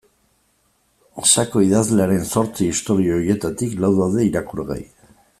Sako idazlearen zortzi istorio horietarik lau daude irakurgai.